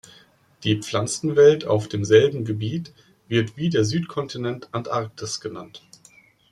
Die Pflanzenwelt auf demselben Gebiet wird wie der Südkontinent Antarktis genannt.